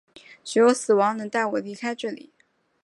只有死亡能带我离开这里！